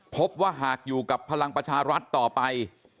พบว่าหากอยู่กับพลังประชารัฐต่อไป